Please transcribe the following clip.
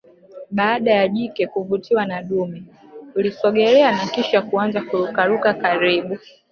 Baada ya jike kuvutiwa na dume hulisogelelea na kisha kuanza kurukaruka karibu